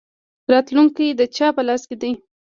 راتلونکی د چا په لاس کې دی؟